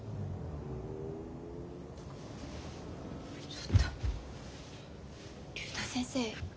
ちょっと竜太先生